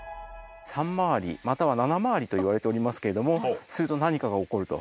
３周りまたは７周りといわれておりますけれどもすると何かが起こると。